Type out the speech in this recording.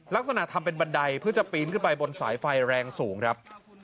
ทำเป็นบันไดเพื่อจะปีนขึ้นไปบนสายไฟแรงสูงครับ